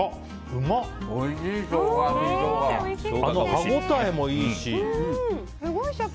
歯応えもいいし。